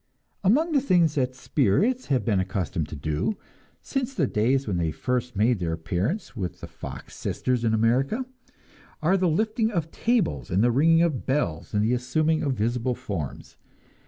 Among the things that "spirits" have been accustomed to do, since the days when they first made their appearance with the Fox sisters in America, are the lifting of tables and the ringing of bells and the assuming of visible forms.